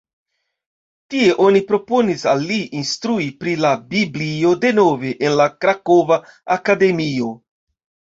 Tie oni proponis al li instrui pri la Biblio denove en la Krakova Akademio.